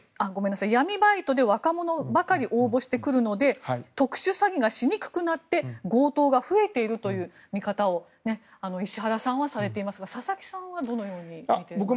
闇バイトで若者ばかり応募してくるので特殊詐欺がしにくくなって強盗が増えているという見方を石原さんはされていますが佐々木さんはどのようにみていますか。